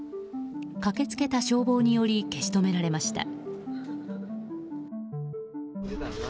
駆け付けた消防により消し止められました。